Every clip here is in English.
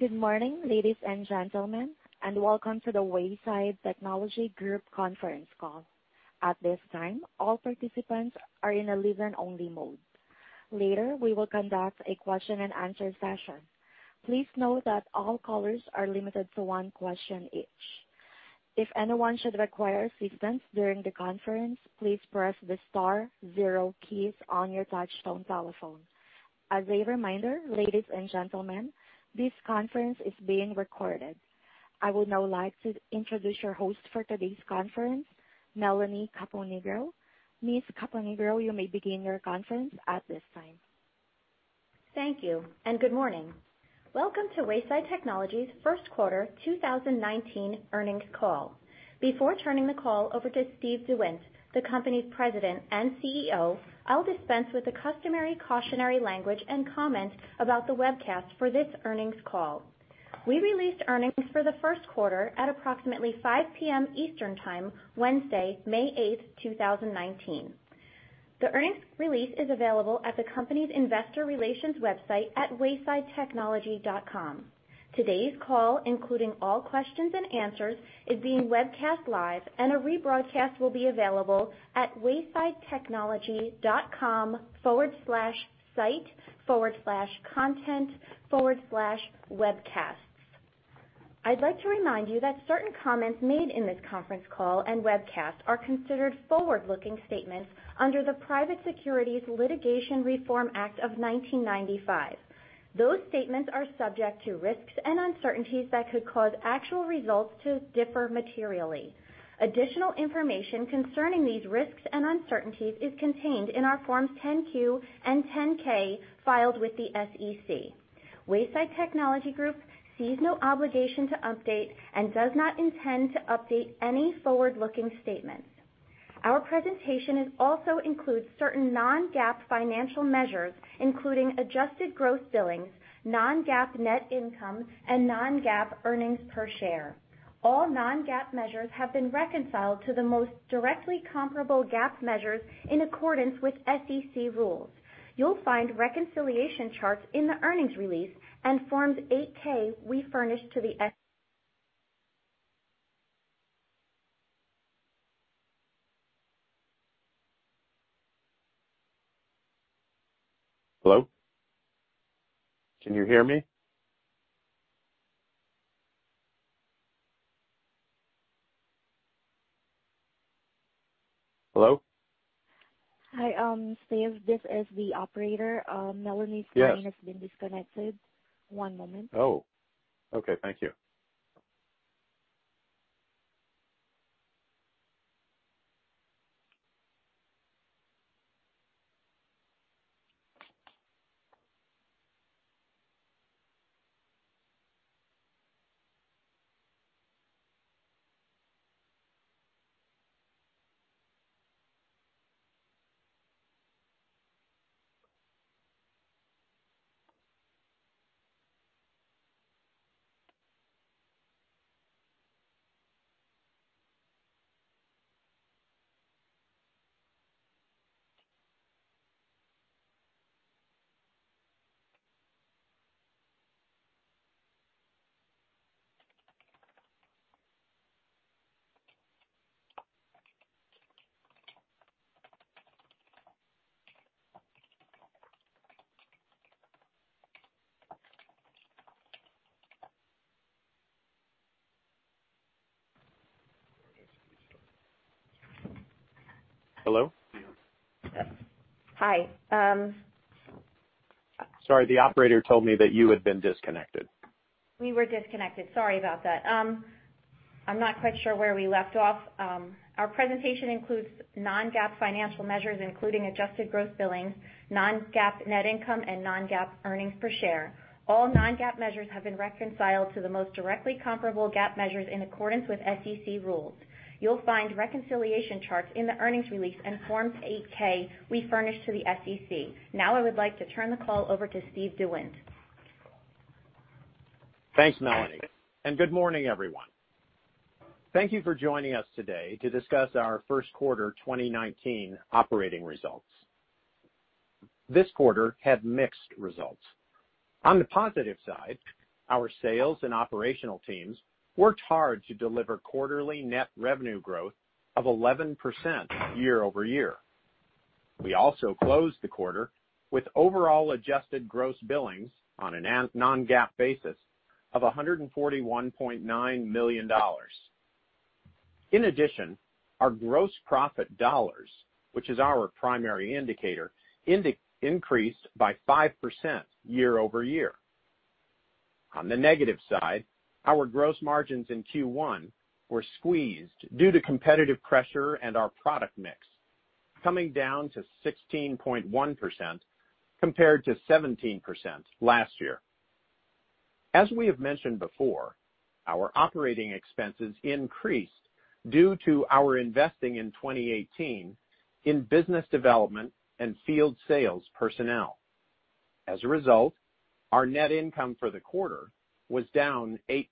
Good morning, ladies and gentlemen, and welcome to the Wayside Technology Group conference call. At this time, all participants are in a listen-only mode. Later, we will conduct a question and answer session. Please note that all callers are limited to one question each. If anyone should require assistance during the conference, please press the star zero keys on your touchtone telephone. As a reminder, ladies and gentlemen, this conference is being recorded. I would now like to introduce your host for today's conference, Melanie Caponigro. Ms. Caponigro, you may begin your conference at this time. Thank you, and good morning. Welcome to Wayside Technology's first quarter 2019 earnings call. Before turning the call over to Steve DeWindt, the company's president and CEO, I'll dispense with the customary cautionary language and comment about the webcast for this earnings call. We released earnings for the first quarter at approximately 5:00 P.M. Eastern Time, Wednesday, May eighth, 2019. The earnings release is available at the company's investor relations website at waysidetechnology.com. Today's call, including all questions and answers, is being webcast live, and a rebroadcast will be available at waysidetechnology.com/site/content/webcasts. I'd like to remind you that certain comments made in this conference call and webcast are considered forward-looking statements under the Private Securities Litigation Reform Act of 1995. Those statements are subject to risks and uncertainties that could cause actual results to differ materially. Additional information concerning these risks and uncertainties is contained in our Forms 10-Q and 10-K filed with the SEC. Wayside Technology Group sees no obligation to update and does not intend to update any forward-looking statements. Our presentation also includes certain non-GAAP financial measures, including adjusted gross billings, non-GAAP net income, and non-GAAP earnings per share. All non-GAAP measures have been reconciled to the most directly comparable GAAP measures in accordance with SEC rules. You'll find reconciliation charts in the earnings release and Forms 8-K we furnish to the SEC. Hello? Can you hear me? Hello? Hi. Steve, this is the operator. Yes. Melanie's line has been disconnected. One moment. Oh, okay. Thank you. Hello? Hi. Sorry. The operator told me that you had been disconnected. We were disconnected. Sorry about that. I'm not quite sure where we left off. Our presentation includes non-GAAP financial measures, including adjusted gross billings, non-GAAP net income, and non-GAAP earnings per share. All non-GAAP measures have been reconciled to the most directly comparable GAAP measures in accordance with SEC rules. You'll find reconciliation charts in the earnings release and Forms 8-K we furnish to the SEC. I would like to turn the call over to Steve DeWindt. Thanks, Melanie. Good morning, everyone. Thank you for joining us today to discuss our first quarter 2019 operating results. This quarter had mixed results. On the positive side, our sales and operational teams worked hard to deliver quarterly net revenue growth of 11% year-over-year. We also closed the quarter with overall adjusted gross billings on a non-GAAP basis of $141.9 million. In addition, our gross profit dollars, which is our primary indicator, increased by 5% year-over-year. On the negative side, our gross margins in Q1 were squeezed due to competitive pressure and our product mix, coming down to 16.1% compared to 17% last year. As we have mentioned before, our operating expenses increased due to our investing in 2018 in business development and field sales personnel. As a result, our net income for the quarter was down 8%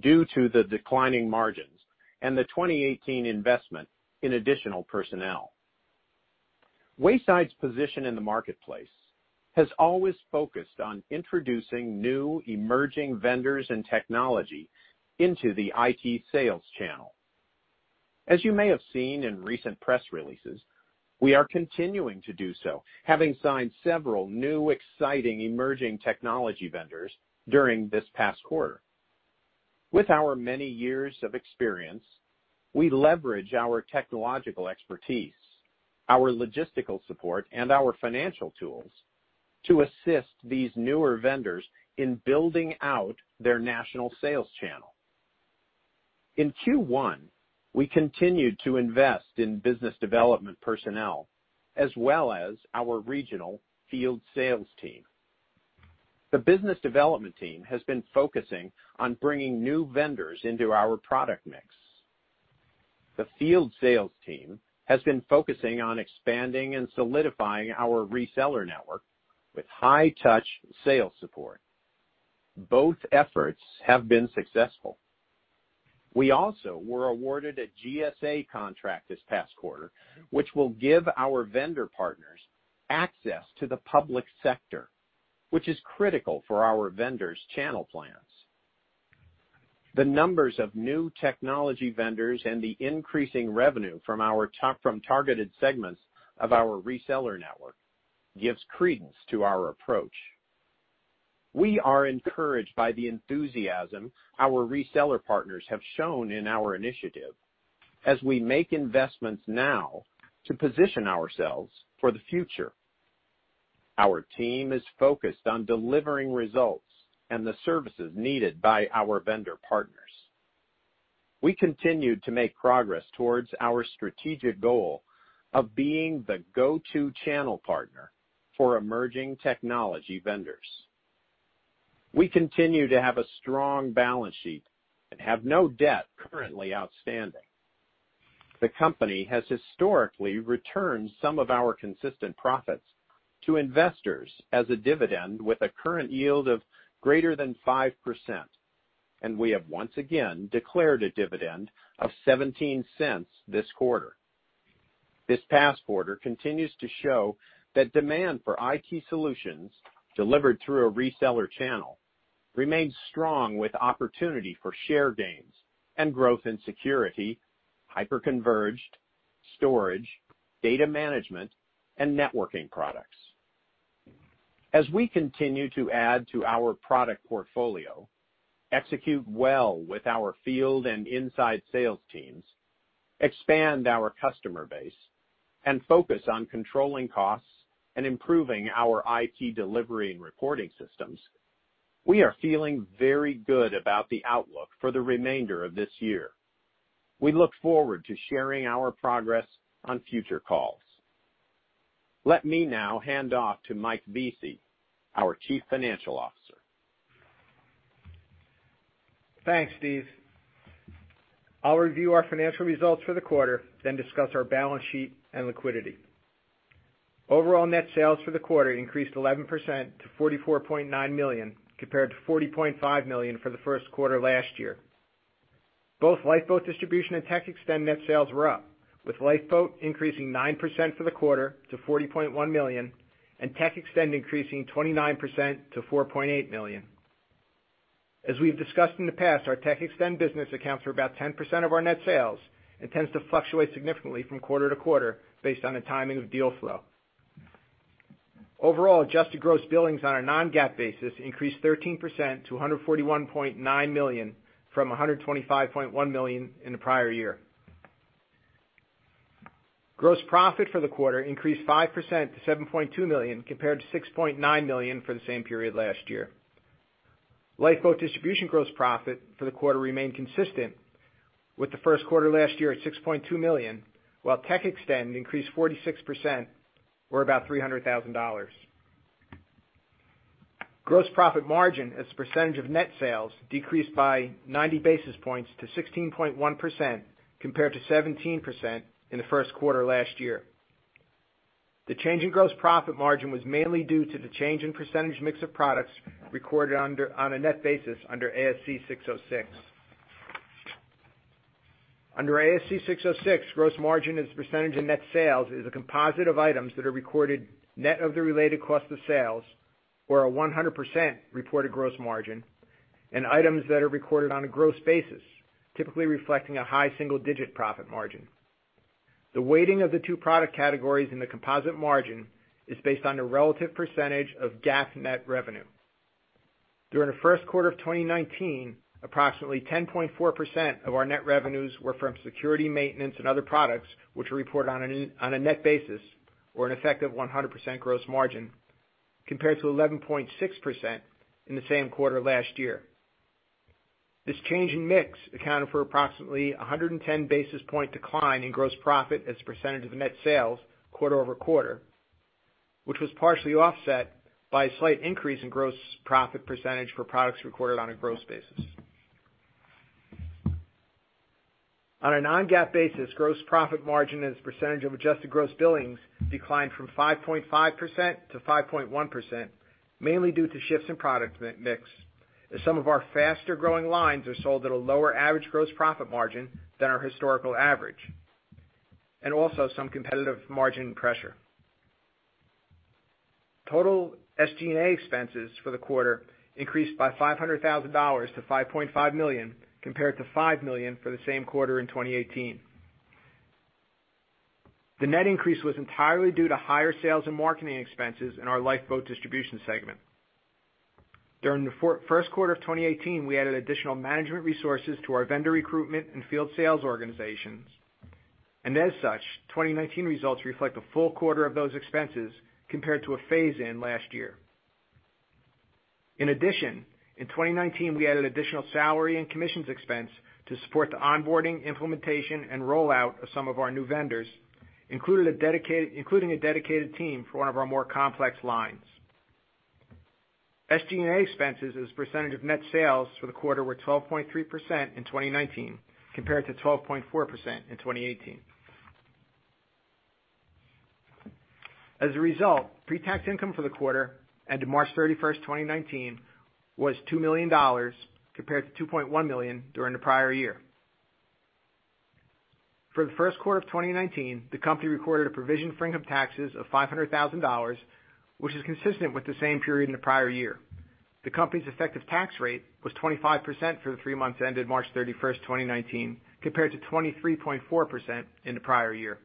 due to the declining margins and the 2018 investment in additional personnel. Wayside's position in the marketplace has always focused on introducing new emerging vendors and technology into the IT sales channel. As you may have seen in recent press releases, we are continuing to do so, having signed several new, exciting emerging technology vendors during this past quarter. With our many years of experience, we leverage our technological expertise, our logistical support, and our financial tools to assist these newer vendors in building out their national sales channel. In Q1, we continued to invest in business development personnel, as well as our regional field sales team. The business development team has been focusing on bringing new vendors into our product mix. The field sales team has been focusing on expanding and solidifying our reseller network with high touch sales support. Both efforts have been successful. We also were awarded a GSA contract this past quarter, which will give our vendor partners access to the public sector, which is critical for our vendors' channel plans. The numbers of new technology vendors and the increasing revenue from targeted segments of our reseller network gives credence to our approach. We are encouraged by the enthusiasm our reseller partners have shown in our initiative as we make investments now to position ourselves for the future. Our team is focused on delivering results and the services needed by our vendor partners. We continued to make progress towards our strategic goal of being the go-to channel partner for emerging technology vendors. We continue to have a strong balance sheet and have no debt currently outstanding. The company has historically returned some of our consistent profits to investors as a dividend with a current yield of greater than 5%, and we have once again declared a dividend of $0.17 this quarter. This past quarter continues to show that demand for IT solutions delivered through a reseller channel remains strong, with opportunity for share gains and growth in security, hyper-converged storage, data management, and networking products. As we continue to add to our product portfolio, execute well with our field and inside sales teams, expand our customer base, and focus on controlling costs and improving our IT delivery and reporting systems, we are feeling very good about the outlook for the remainder of this year. We look forward to sharing our progress on future calls. Let me now hand off to Mike Vesey, our Chief Financial Officer. Thanks, Steve. I'll review our financial results for the quarter, then discuss our balance sheet and liquidity. Overall net sales for the quarter increased 11% to $44.9 million, compared to $40.5 million for the first quarter last year. Both Lifeboat Distribution and TechXtend net sales were up, with Lifeboat increasing 9% for the quarter to $40.1 million and TechXtend increasing 29% to $4.8 million. As we've discussed in the past, our TechXtend business accounts for about 10% of our net sales and tends to fluctuate significantly from quarter to quarter based on the timing of deal flow. Overall, adjusted gross billings on a non-GAAP basis increased 13% to $141.9 million from $125.1 million in the prior year. Gross profit for the quarter increased 5% to $7.2 million, compared to $6.9 million for the same period last year. Lifeboat Distribution gross profit for the quarter remained consistent with the first quarter last year at $6.2 million, while TechXtend increased 46%, or about $300,000. Gross profit margin as a percentage of net sales decreased by 90 basis points to 16.1%, compared to 17% in the first quarter last year. The change in gross profit margin was mainly due to the change in percentage mix of products recorded on a net basis under ASC 606. Under ASC 606, gross margin as a percentage of net sales is a composite of items that are recorded net of the related cost of sales, or a 100% reported gross margin, and items that are recorded on a gross basis, typically reflecting a high single-digit profit margin. The weighting of the two product categories in the composite margin is based on the relative percentage of GAAP net revenue. During the first quarter of 2019, approximately 10.4% of our net revenues were from security maintenance and other products, which we report on a net basis or an effective 100% gross margin, compared to 11.6% in the same quarter last year. This change in mix accounted for approximately 110 basis point decline in gross profit as a percentage of net sales quarter-over-quarter, which was partially offset by a slight increase in gross profit percentage for products recorded on a gross basis. On a non-GAAP basis, gross profit margin as a percentage of adjusted gross billings declined from 5.5% to 5.1%, mainly due to shifts in product mix. As some of our faster-growing lines are sold at a lower average gross profit margin than our historical average, and also some competitive margin pressure. Total SG&A expenses for the quarter increased by $500,000 to $5.5 million, compared to $5 million for the same quarter in 2018. The net increase was entirely due to higher sales and marketing expenses in our Lifeboat Distribution segment. During the first quarter of 2018, we added additional management resources to our vendor recruitment and field sales organizations, as such, 2019 results reflect a full quarter of those expenses compared to a phase-in last year. In addition, in 2019, we added additional salary and commissions expense to support the onboarding, implementation, and rollout of some of our new vendors, including a dedicated team for one of our more complex lines. SG&A expenses as a percentage of net sales for the quarter were 12.3% in 2019, compared to 12.4% in 2018. As a result, pre-tax income for the quarter end of March 31st, 2019 was $2 million, compared to $2.1 million during the prior year. For the first quarter of 2019, the company recorded a provision for income taxes of $500,000, which is consistent with the same period in the prior year. The company's effective tax rate was 25% for the three months ended March 31st, 2019, compared to 23.4% in the prior year.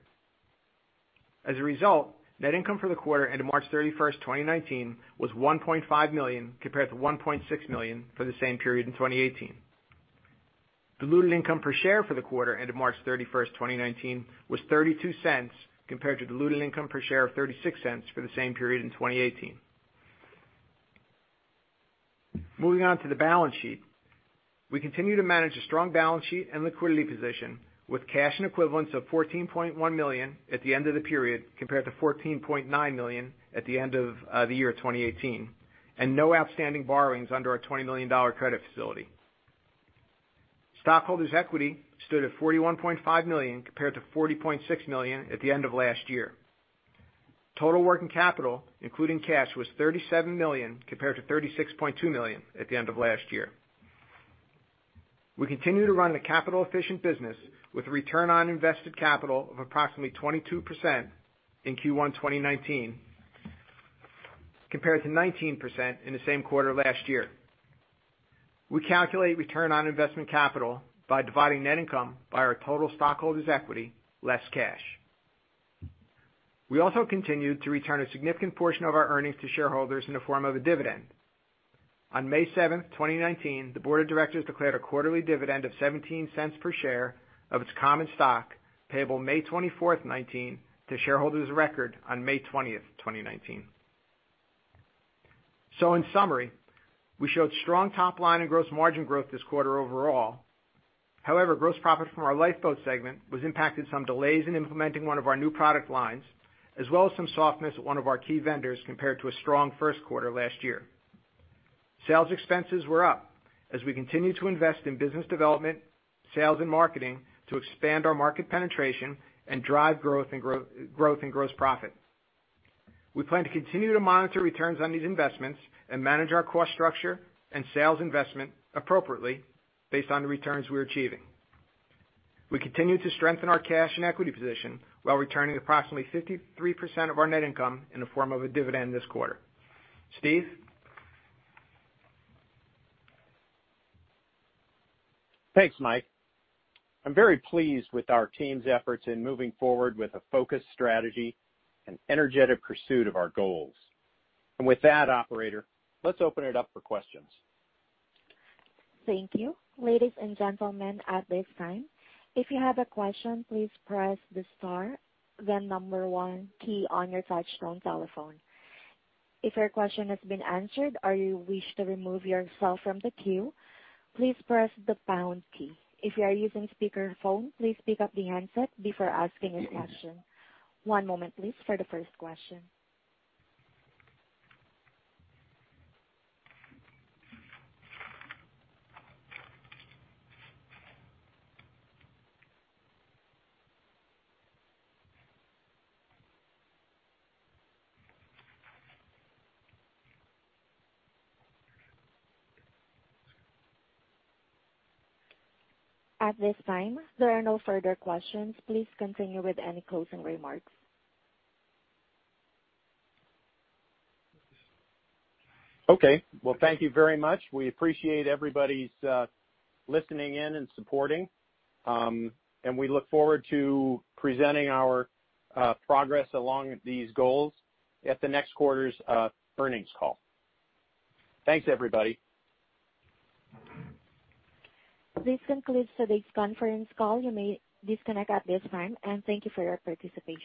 As a result, net income for the quarter end of March 31st, 2019 was $1.5 million, compared to $1.6 million for the same period in 2018. Diluted income per share for the quarter end of March 31st, 2019 was $0.32, compared to diluted income per share of $0.36 for the same period in 2018. Moving on to the balance sheet. We continue to manage a strong balance sheet and liquidity position with cash and equivalents of $14.1 million at the end of the period, compared to $14.9 million at the end of the year 2018, and no outstanding borrowings under our $20 million credit facility. Stockholders' equity stood at $41.5 million compared to $40.6 million at the end of last year. Total working capital, including cash, was $37 million, compared to $36.2 million at the end of last year. We continue to run a capital-efficient business with a return on invested capital of approximately 22% in Q1 2019, compared to 19% in the same quarter last year. We calculate return on investment capital by dividing net income by our total stockholders' equity, less cash. We also continued to return a significant portion of our earnings to shareholders in the form of a dividend. On May 7th, 2019, the board of directors declared a quarterly dividend of $0.17 per share of its common stock, payable May 24th, 2019 to shareholders record on May 20th, 2019. In summary, we showed strong top-line and gross margin growth this quarter overall. However, gross profit from our Lifeboat segment was impacted some delays in implementing one of our new product lines, as well as some softness at one of our key vendors compared to a strong first quarter last year. Sales expenses were up as we continued to invest in business development, sales, and marketing to expand our market penetration and drive growth and gross profit. We plan to continue to monitor returns on these investments and manage our cost structure and sales investment appropriately based on the returns we are achieving. We continue to strengthen our cash and equity position while returning approximately 53% of our net income in the form of a dividend this quarter. Steve? Thanks, Mike. I'm very pleased with our team's efforts in moving forward with a focused strategy and energetic pursuit of our goals. With that, operator, let's open it up for questions. Thank you. Ladies and gentlemen, at this time, if you have a question, please press the star, then number one key on your touchtone telephone. If your question has been answered or you wish to remove yourself from the queue, please press the pound key. If you are using speakerphone, please pick up the handset before asking a question. One moment, please, for the first question. At this time, there are no further questions. Please continue with any closing remarks. Okay, well, thank you very much. We appreciate everybody's listening in and supporting. We look forward to presenting our progress along these goals at the next quarter's earnings call. Thanks, everybody. This concludes today's conference call. You may disconnect at this time, and thank you for your participation.